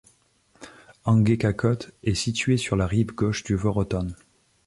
Angeghakot est située sur la rive gauche du Vorotan.